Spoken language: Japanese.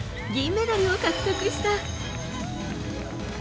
銀メダルを獲得した。